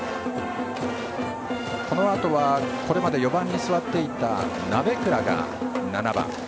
このあとはこれまで４番に座っていた鍋倉が７番。